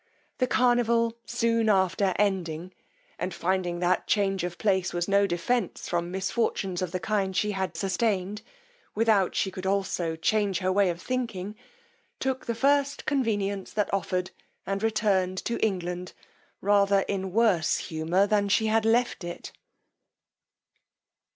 The carnival soon after ending, and finding that change of place was no defence from misfortunes of the kind she had sustained, without she could also change her way of thinking, took the first convenience that offered, and returned to England, rather in worse humour than she had left it.